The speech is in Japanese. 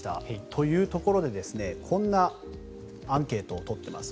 というところでこんなアンケートを取ってます。